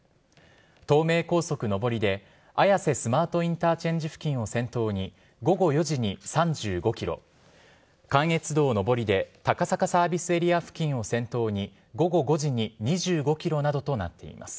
東名高速上りで綾瀬スマートインターチェンジ付近を先頭に、午後４時に３５キロ、関越道上りで高坂サービスエリア付近を先頭に、午後５時に２５キロなどとなっています。